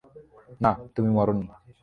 না, তুমি মারোনি।